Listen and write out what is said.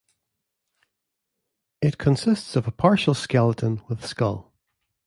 It consists of a partial skeleton with skull.